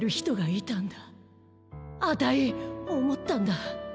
あたいおもったんだ。